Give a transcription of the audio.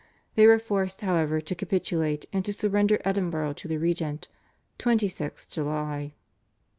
They were forced, however, to capitulate and to surrender Edinburgh to the regent (26th July).